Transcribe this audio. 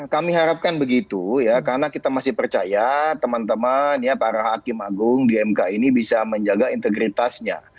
kami harapkan begitu ya karena kita masih percaya teman teman para hakim agung di mk ini bisa menjaga integritasnya